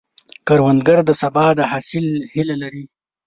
کروندګر د سبا د حاصل هیله لري